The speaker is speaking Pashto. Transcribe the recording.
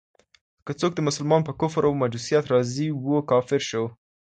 که څوک د مسلمان په کفر او مجوسيت راضي وو، کافر سو.